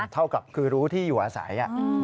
เท่ากับคือรู้ที่อยู่อาศัย